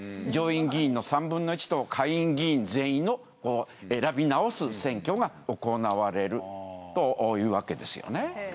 上院議員の３分の１と下院議員全員を選び直す選挙が行われるというわけですよね。